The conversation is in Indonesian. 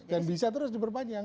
dan bisa terus diperpanjang